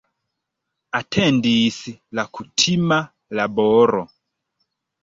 Atendis la kutima laboro.